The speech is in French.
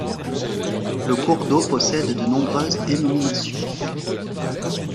Le cours d'eau possède de nombreuses dénominations.